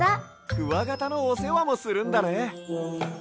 クワガタのおせわもするんだね。